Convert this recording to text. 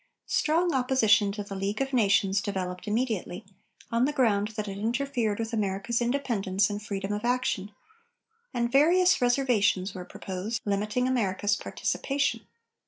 Strong opposition to the League of Nations developed immediately, on the ground that it interfered with America's independence and freedom of action, and various "reservations" were proposed, limiting America's participation.